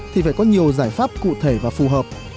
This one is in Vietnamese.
thì phải có nhiều giải pháp cụ thể và phù hợp